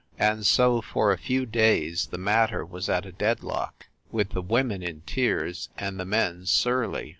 And so, for a few days, the matter was at a deadlock, with the women in tears and the men surly.